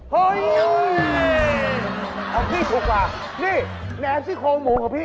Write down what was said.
เฮ้ยเอาพี่ถูกกว่านี่แนนซี่โครงหมูของพี่